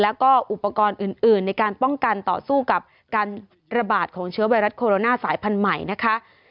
แล้วก็อุปกรณ์อื่นในการป้องกันต่อสู้กับการระบาดของเชื้อไวรัสโคโรนาสายพันธุ์ใหม่นะคะ